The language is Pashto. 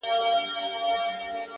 تا د حسنينو د ښکلا فلسفه څه لوستې ده”